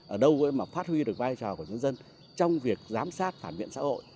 ở đâu mà phát huy được vai trò của nhân dân trong việc giám sát phản biện xã hội